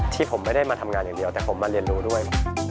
ที่ผมไม่ได้มาทำงานอย่างเดียวแต่ผมมาเรียนรู้ด้วย